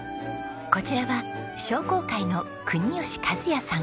こちらは商工会の国吉和也さん。